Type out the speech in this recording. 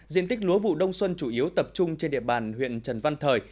diện tích lúa vụ đông xuân chủ yếu tập trung trên địa bàn huyện trần văn thời